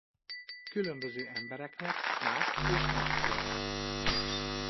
Különböző embereknek mást és mást jelent.